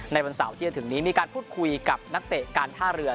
วันเสาร์ที่จะถึงนี้มีการพูดคุยกับนักเตะการท่าเรือ